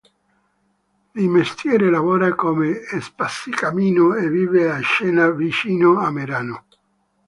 Di mestiere lavora come spazzacamino e vive a Scena, vicino a Merano.